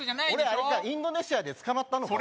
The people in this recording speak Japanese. あれかインドネシアで捕まったのか